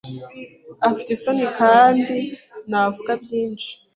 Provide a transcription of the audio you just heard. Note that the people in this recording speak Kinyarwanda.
Afite isoni kandi ntavuga byinshi.